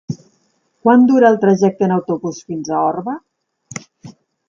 Quant dura el trajecte en autobús fins a Orba?